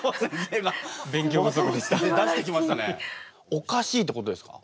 おかしいってことですか？